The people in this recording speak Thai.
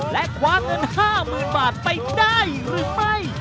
และคว้าเงิน๕๐๐๐บาทไปได้หรือไม่